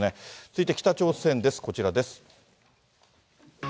続いて、北朝鮮です、こちらです。